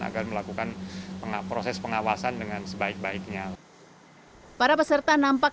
akan melakukan proses pengawasan dengan sebaik baiknya para peserta nampak